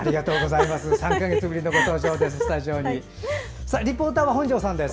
３か月ぶりのご登場です。